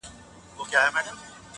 o توکل ئې نر دئ!